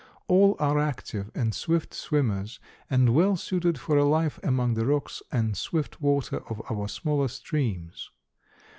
All are active and swift swimmers and well suited for a life among the rocks and swift water of our smaller streams.